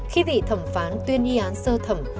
khi vị thẩm phán tuyên y án sơ thẩm